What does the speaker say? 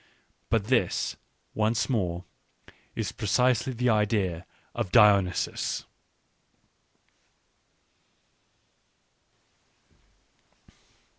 ... But this, once more, is precisely the idea of Dionysus.